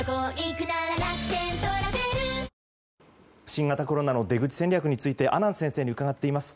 新型コロナの出口戦略について阿南先生に伺っています。